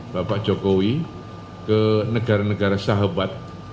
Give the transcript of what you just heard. bapak jokowi ke negara negara sahabat